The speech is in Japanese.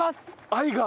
愛が？